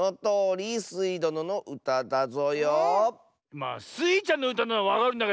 まあスイちゃんのうたなのはわかるんだけどこれ。